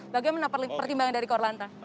bagaimana pertimbangan dari korlanta